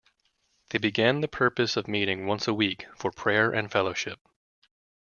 They began with the purpose of meeting once a week for prayer and fellowship.